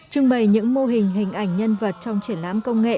trưng bày những mô hình hình ảnh nhân vật trong triển lãm công nghệ